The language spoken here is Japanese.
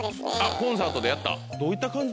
コンサートでやった。